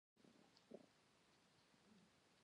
د ډیلي سلطنت بنسټ کیښودل شو.